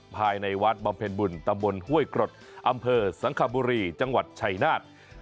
ภายในวัดบำเพ็ญบุญตำบลห้วยกรดอำเภอสังคบุรีจังหวัดชัยนาฏ